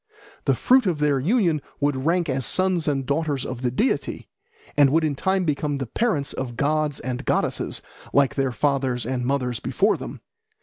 The fruit of their union would rank as sons and daughters of the deity, and would in time become the parents of gods and goddesses, like their fathers and mothers before them.